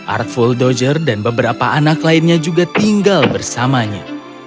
artful doger dan beberapa anak lainnya juga tinggal bersamanya